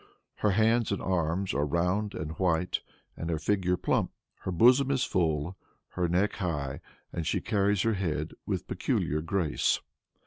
Her hands and arms are round and white, and her figure plump. Her bosom is full, her neck high, and she carries her head with peculiar grace.